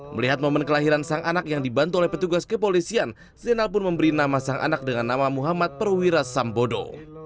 melihat momen kelahiran sang anak yang dibantu oleh petugas kepolisian zainal pun memberi nama sang anak dengan nama muhammad perwira sambodo